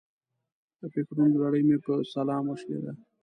د فکرونو لړۍ مې په سلام وشلېده.